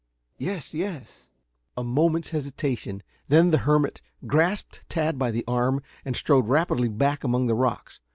"Yes, yes." A moment's hesitation, then the hermit grasped Tad by the arm and strode rapidly back among the rocks.